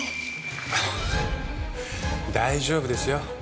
大丈夫ですよ。